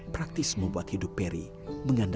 kedua kaki yang diamputasi hingga hampir ke pangkal paha